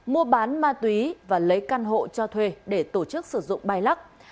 mua bán ma túy và lấy căn hộ cho thuê để tổ chức sử dụng bay lắc